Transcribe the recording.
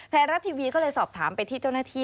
ไทยรัฐทีวีก็เลยสอบถามไปที่เจ้าหน้าที่